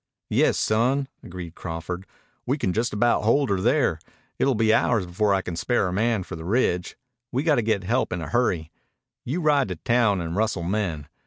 "Yes, son," agreed Crawford. "We can just about hold her here. It'll be hours before I can spare a man for the ridge. We got to get help in a hurry. You ride to town and rustle men.